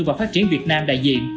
và phát triển việt nam đại diện